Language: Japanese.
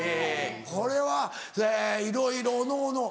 これはいろいろおのおの。